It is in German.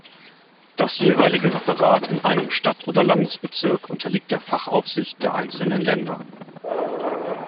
Das jeweilige Referat in einem Stadt- oder Landesbezirk unterliegt der Fachaufsicht der einzelnen Länder.